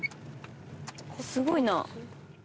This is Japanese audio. すごいな。